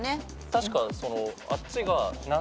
確か。